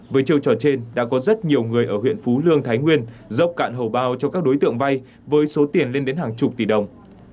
với chiêu trò trên đã có rất nhiều người ở huyện phú lương thái nguyên dốc cạn hầu bao cho các đối tượng vay với số tiền lên đến hàng chục tỷ đồng